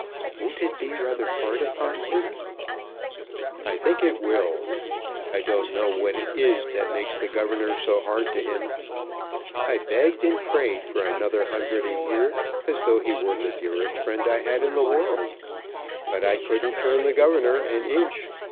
"Won't it be rather hard upon him?" "I think it will. I don't know what it is that makes the governor so hard to him. I begged and prayed for another hundred a year as though he were the dearest friend I had in the world; but I couldn't turn the governor an inch.